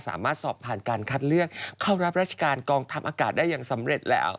สามารถสอบผ่านการคัดเลือกเข้ารับราชการกองทัพอากาศได้อย่างสำเร็จแล้ว